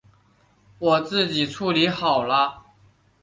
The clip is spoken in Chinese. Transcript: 我自己处理好了